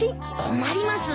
困ります。